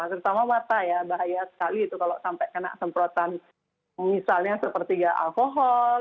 terutama mata ya bahaya sekali itu kalau sampai kena semprotan misalnya sepertiga alkohol